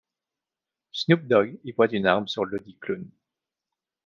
Snoop Dogg y pointe une arme sur ledit clown.